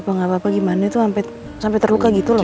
gak apa apa gimana tuh sampe terluka gitu loh